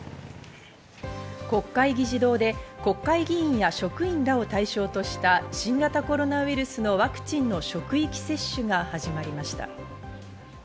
国会議事堂で国会議員や職員らを対象とした新型コロナウイルスのワクチンの職域接種が始まりました。